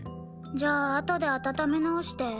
じゃああとで温め直して。